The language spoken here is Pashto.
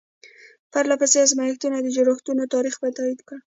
پرله پسې ازمایښتونو یې د جوړښتونو تاریخ تایید کړ.